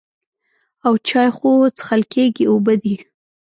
او چای خو څښل کېږي اوبه دي.